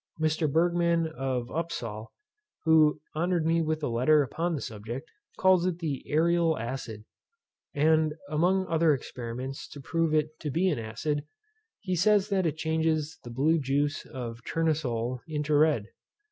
Mr. Bergman of Upsal, who honoured me with a letter upon the subject, calls it the aërial acid, and, among other experiments to prove it to be an acid, he says that it changes the blue juice of tournesole into red.